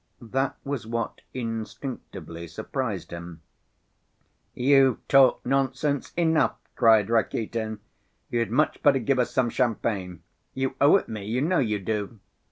That was what instinctively surprised him. "You've talked nonsense enough," cried Rakitin, "you'd much better give us some champagne. You owe it me, you know you do!"